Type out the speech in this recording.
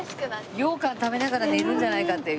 羊羹食べながら寝るんじゃないかっていう。